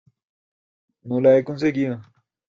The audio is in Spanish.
no la he conseguido.